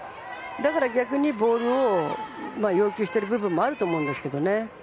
だから逆にボールを要求している部分もあると思うんですけどね。